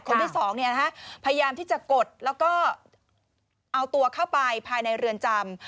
คนที่สองพยายามที่จะกดแล้วก็เอาตัวเข้าไปภายในเรือนจำ